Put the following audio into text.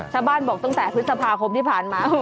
ชาวบ้านบอกตั้งแต่พฤษภาคมที่ผ่านมา